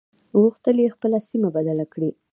غوښتل يې خپله سيمه بدله کړي.